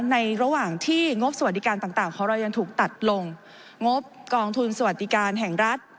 ในระหว่างที่งบสวัสดิการต่างของเรายังถูกตัดลงงบกองทุนสวัสดิการแห่งรัฐ